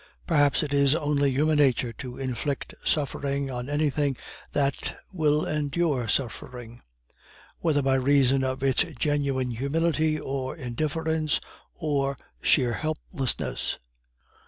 Perhaps it is only human nature to inflict suffering on anything that will endure suffering, whether by reason of its genuine humility, or indifference, or sheer helplessness.